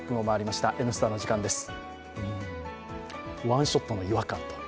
ワンショットの違和感。